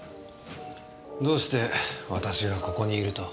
どうして私がここにいると？